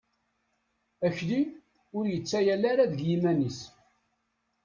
Akli, ur yettayal ara deg yiman-is.